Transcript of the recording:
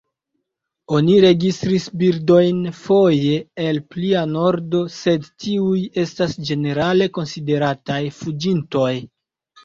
Oni registris birdojn foje el plia nordo, sed tiuj estas ĝenerale konsiderataj fuĝintoj.